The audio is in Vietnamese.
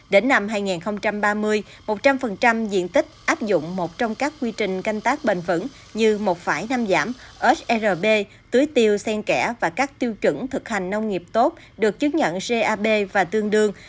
đến năm hai nghìn ba mươi một trăm linh diện tích áp dụng một trong các quy trình canh tác bền vững như một phải năm giảm srb tưới tiêu sen kẻ và các tiêu chuẩn thực hành nông nghiệp tốt được chứng nhận cap và tương đương